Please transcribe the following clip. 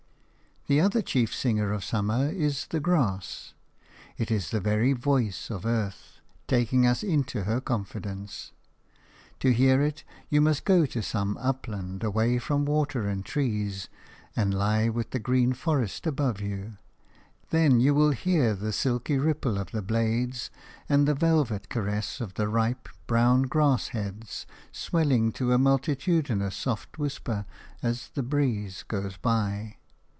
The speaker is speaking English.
The other chief singer of summer is the grass; it is the very voice of Earth, taking us into her confidence. To hear it you must go to some upland, away from water and trees, and lie with the green forest above you. Then you will hear the silky ripple of the blades and the velvet caress of the ripe, brown grass heads, swelling to a multitudinous soft whisper as the breeze goes by.